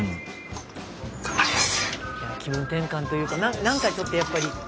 気分転換というかなんかちょっとやっぱり。